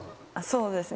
そうですね。